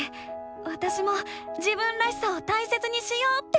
わたしも「自分らしさ」を大切にしようって思ったよ！